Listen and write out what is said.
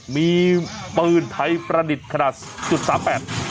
มีปืนไทยประณิตขนาด๐๓๘